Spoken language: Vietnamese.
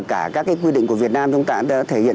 cả các quy định của việt nam chúng ta đã thể hiện